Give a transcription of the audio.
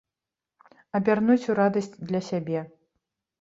Абярнуць у радасць для сябе.